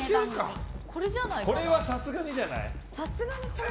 これはさすがにじゃない？